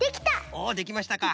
おできましたか。